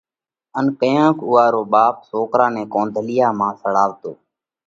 ان ڪيونڪ اُوئا رو ٻاپ سوڪرا نئہ ڪنڌولِيا مانه سڙاوَتو۔